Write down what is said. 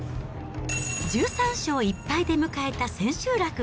１３勝１敗で迎えた千秋楽。